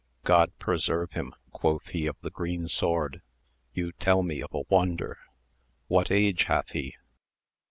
God preserve him, quoth he of the green sword, you tell me of a wonder. What age hath he?